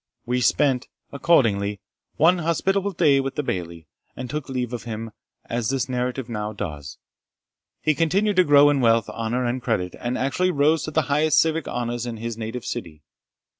We spent, accordingly, one hospitable day with the Bailie, and took leave of him, as this narrative now does. He continued to grow in wealth, honour, and credit, and actually rose to the highest civic honours in his native city.